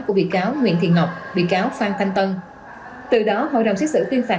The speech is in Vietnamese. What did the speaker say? của bị cáo nguyễn thị ngọc bị cáo phan thanh tân từ đó hội đồng xét xử tuyên phạt